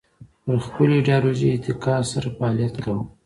پر خپلې ایدیالوژۍ اتکا سره فعالیت کاوه